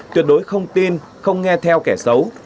tuyệt đối không tin không nghe theo kẻ xấu